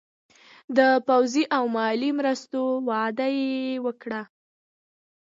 د پوځي او مالي مرستو وعده یې ورکړه.